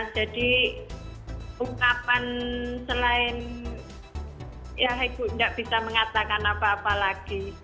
jadi ungkapan selain ya hei bu gak bisa mengatakan apa apa lagi